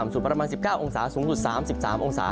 สูงประมาณ๑๙องศาสูงสุด๓๓องศา